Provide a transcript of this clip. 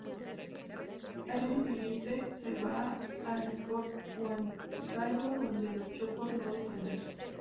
Al año siguiente se va al Sport Huancayo donde luchó por no descender.